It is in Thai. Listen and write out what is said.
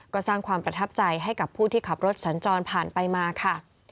ก็สร้างความประทับใจให้กับผู้ที่ขับรถสัญจรผ่านไปมาค่ะ